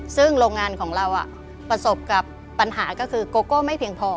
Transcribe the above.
ซึ่งโรงงานของเราประสบกับปัญหาก็คือโกโก้ไม่เพียงพอ